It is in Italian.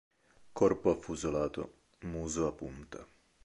Corpo affusolato, muso a punta.